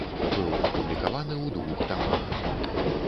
Быў апублікаваны ў двух тамах.